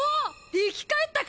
生き返ったか！